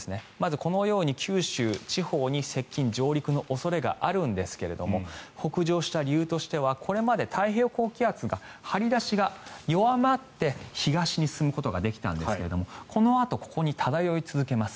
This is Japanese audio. このように九州地方に接近・上陸の恐れがあるんですが北上した理由としてはこれまで太平洋高気圧が張り出しが弱まって東に進むことができたんですがこのあと、ここに漂い続けます。